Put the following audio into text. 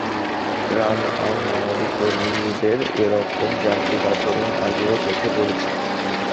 ত্রাণ আর মানবিক কর্মীদের এ রকম যান্ত্রিক আচরণ আগেও চোখে পড়েছে।